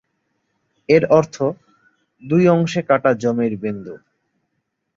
এর অর্থ "দুই অংশে কাটা জমির বিন্দু"।